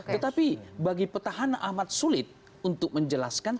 tetapi bagi petahana amat sulit untuk menjelaskan